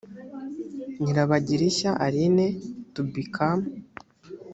nyirabagirishya aline to become